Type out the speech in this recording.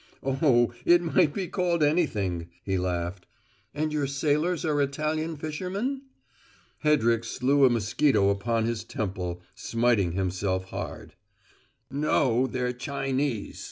"Oh, it might be called anything," he laughed. "And your sailors are Italian fishermen?" Hedrick slew a mosquito upon his temple, smiting himself hard. "No, they're Chinese!"